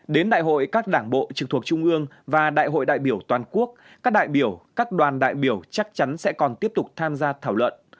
đến đại hội các đảng bộ trực thuộc trung ương và đại hội đại biểu toàn quốc các đại biểu các đoàn đại biểu chắc chắn sẽ còn tiếp tục tham gia thảo luận